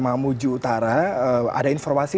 mamuju utara ada informasi